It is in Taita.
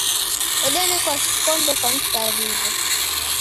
Odenekwa kikombe kwa msarigho